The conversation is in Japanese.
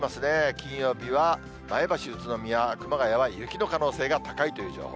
金曜日は前橋、宇都宮、熊谷は雪の可能性が高いという情報。